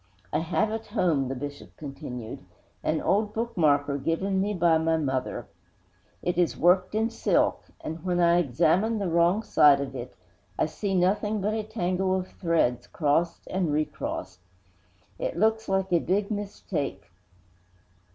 I have at home,' the Bishop continued, 'an old bookmarker given me by my mother. It is worked in silk, and, when I examine the wrong side of it, I see nothing but a tangle of threads crossed and recrossed. It looks like a big mistake.